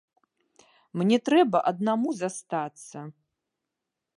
Мне трэба аднаму застацца.